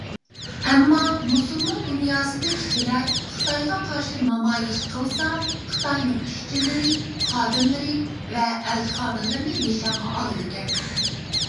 ئەمما مۇسۇلمان دۇنياسىدا كىشىلەر خىتايغا قارشى نامايىش قىلسا خىتاينىڭ ئىشچىلىرى، خادىملىرى ۋە ئەلچىخانىلىرىنى نىشانغا ئالىدىكەن.